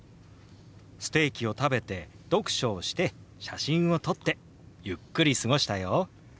ステーキを食べて読書をして写真を撮ってゆっくり過ごしたよ。